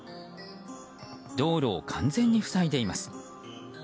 道路を完全に塞いでいます。